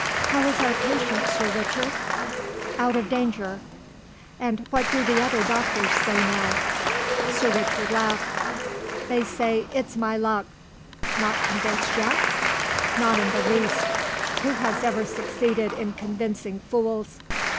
"How is our patient, Sir Richard?" "Out of danger." "And what do the other doctors say now?" Sir Richard laughed: "They say it's my luck." "Not convinced yet?" "Not in the least. Who has ever succeeded in convincing fools?